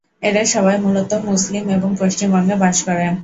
এরা সবাই মূলত মুসলিম এবং পশ্চিমবঙ্গে বাস করে।